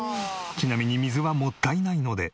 ちなみに水はもったいないので。